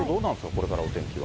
これから、お天気は。